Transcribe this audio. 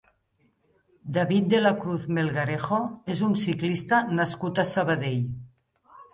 David de la Cruz Melgarejo és un ciclista nascut a Sabadell.